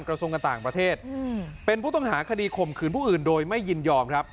กันต่างประเทศนนึกเป็นผู้ต้องหาคดีคมขืนผู้อื่นโดยไม่ยินยอมครับ